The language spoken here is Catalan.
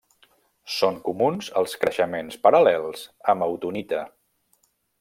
Són comuns els creixements paral·lels amb autunita.